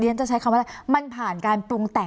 คุณจอมขอบพระคุณครับ